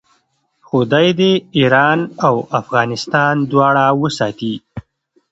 خدای دې ایران او افغانستان دواړه وساتي.